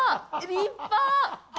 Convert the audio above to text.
立派！